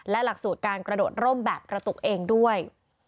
และหลักสูตรการกระโดดร่มแบบกระตุกเองด้วย